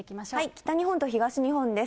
北日本と東日本です。